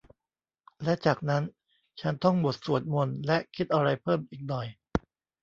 และจากนั้นฉันท่องบทสวดมนต์และคิดอะไรเพิ่มอีกหน่อย